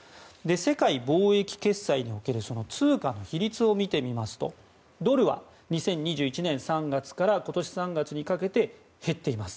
世界貿易決済における通貨の比率を見てみますとドルは２０２１年３月から今年３月にかけて減っています。